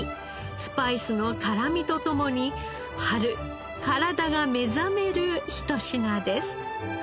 スパイスの辛みと共に春体が目覚めるひと品です。